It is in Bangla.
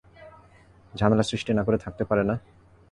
ঝামেলা সৃষ্টি না করে থাকতে পারে না?